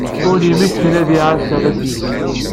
Ul ymekken ad yɛad tella sys.